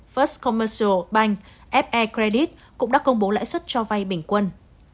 first commertial bank fe credit cũng đã công bố lãi suất cho vay bình quân